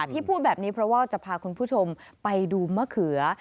พูดแบบนี้เพราะว่าจะพาคุณผู้ชมไปดูมะเขือ